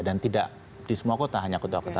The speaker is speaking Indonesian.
dan tidak di semua kota hanya kota kota besar saja